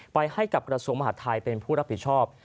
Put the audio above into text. ให้กับกระทรวงมหาดไทยเป็นผู้รับผิดชอบ